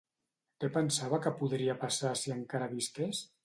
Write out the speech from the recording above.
Què pensava que podria passar si encara visqués?